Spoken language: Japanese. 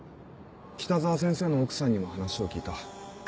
北澤先生の奥さんにも話を聞いた。